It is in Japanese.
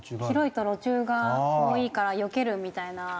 広いと路駐が多いからよけるみたいな。